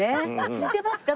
知ってますか？